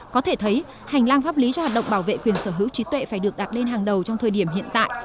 có thể thấy hành lang pháp lý cho hoạt động bảo vệ quyền sở hữu trí tuệ phải được đặt lên hàng đầu trong thời điểm hiện tại